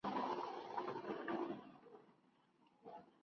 Al sitio se le conocía como "Punta de Piedra".